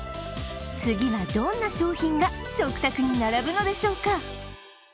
次はどんな商品が食卓に並ぶのでしょうか。